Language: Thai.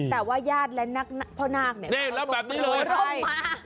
แต่ว่ายาดและพ่อนาคนี่รับแบบนี้เลย